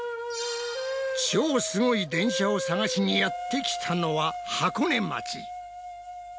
超すごい電車を探しにやってきたのは箱根町。